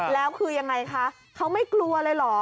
แล้วคือยังไงคะเขาไม่กลัวเลยเหรอ